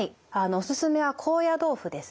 おすすめは高野豆腐ですね。